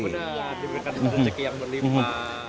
udah diberikan rezeki yang berlimpah